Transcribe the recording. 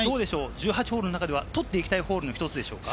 １８ホールの中では取っていきたいホールの１つでしょうか。